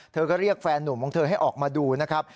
เธอก็เรียกแฟนหนุ่มของเธอให้ออกมาดูนะครับ